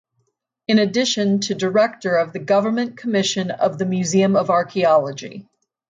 In addition to director of the Government Commission of the Museum of Archeology.